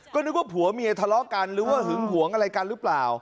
ก็นึกว่าผัวเมียทะเลาะกันหรือว่าหึงหวงอะไรกันหรือเปล่า